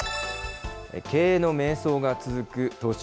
経営の迷走が続く東芝。